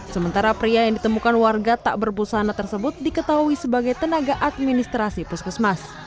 sementara pria yang ditemukan warga tak berbusana tersebut diketahui sebagai tenaga administrasi puskesmas